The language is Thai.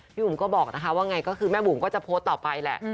บุ๋มก็บอกนะคะว่าไงก็คือแม่บุ๋มก็จะโพสต์ต่อไปแหละ